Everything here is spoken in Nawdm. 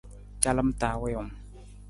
Calam ta wiiwung.